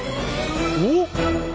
おっ？